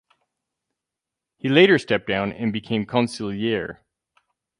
He later stepped down and became consigliere.